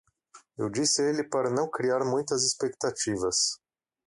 Eu disse a ele para não criar muitas expectativas.